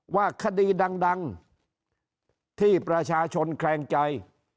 ว่าคดีดังที่ประชาชนแคลงใจ